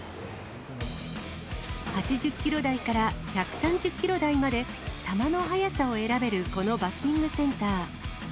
８０キロ台から１３０キロ台まで、球の速さを選べるこのバッティングセンター。